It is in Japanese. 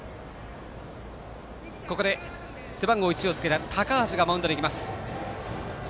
ここで背番号１をつけた高橋がマウンドに行きます。